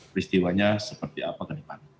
peristiwanya seperti apa ke depan